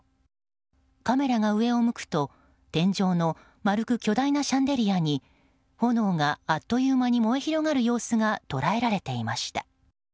カメラが上を向くと天井の丸く巨大なシャンデリアに炎があっという間に燃え広がる様子が捉えられていました。